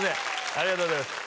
ありがとうございます